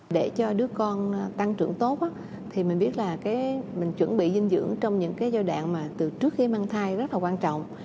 để cho đứa con tăng trưởng tốt thì mình biết là mình chuẩn bị dinh dưỡng trong những giai đoạn từ trước khi mang thai rất là quan trọng